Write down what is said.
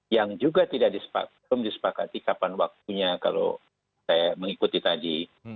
yang juga tidak belum disepakati kapan waktunya kalau saya mengikuti tadi